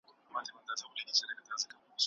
موږ به په پټي کې نوې لارې جوړې کړو.